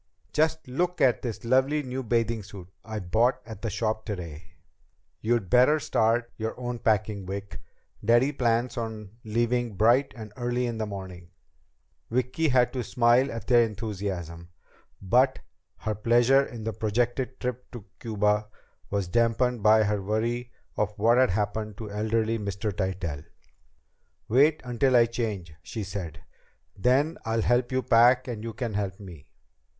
"Just look at this lovely new bathing suit I bought at the shop today!" "You'd better start your own packing, Vic. Daddy plans on leaving bright and early in the morning." Vicki had to smile at their enthusiasm, but her pleasure in the projected trip to Cuba was dampened by her worry of what had happened to elderly Mr. Tytell. "Wait until I change," she said. "Then I'll help you pack and you can help me."